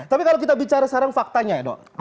tapi kalau kita bicara sekarang faktanya ya dok